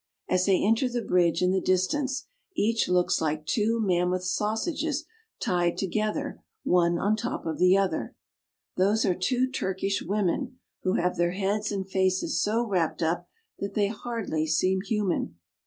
As they enter the bridge, in the distance, each looks like two mammoth sausages tied together one on top of the other. Those are two Turkish women, who have their heads and faces so wrapped up that they hardly seem human.